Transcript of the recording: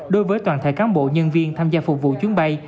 đối với toàn thể cán bộ nhân viên tham gia phục vụ chuyến bay